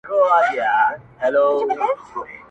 در بخښلی په ازل کي یې قدرت دئ-